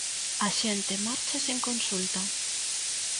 A xente marcha sen consulta.